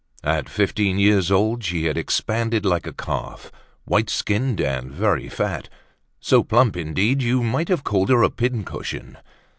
At fifteen years old she had expanded like a calf, white skinned and very fat; so plump, indeed, you might have called her a pincushion.